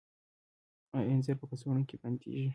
آیا انځر په کڅوړو کې بندیږي؟